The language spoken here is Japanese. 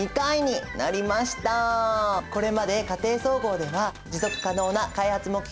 これまで「家庭総合」では持続可能な開発目標